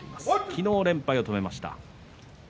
昨日、連敗を止めました。